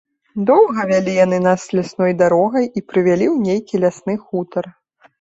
Доўга вялі яны нас лясной дарогай і прывялі ў нейкі лясны хутар.